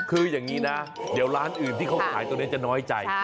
คืออย่างนี้นะเดี๋ยวร้านอื่นที่เขาขายตรงนี้จะน้อยใจ